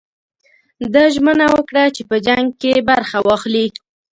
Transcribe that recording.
ده ژمنه وکړه چې په جنګ کې برخه واخلي.